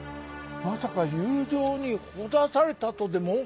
まさか友情にほだされたとでも？